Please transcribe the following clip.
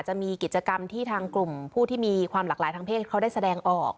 จะมีกิจกรรมที่ทางกลุ่มผู้ที่มีความหลากหลายทางเพศเขาได้แสดงออก